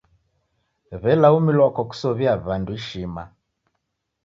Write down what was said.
W'elaumilwa kwa kusow'ia w'andu ishima.